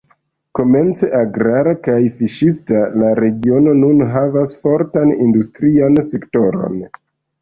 Komence agrara kaj fiŝista, la regiono nun havas fortan industrian sektoron.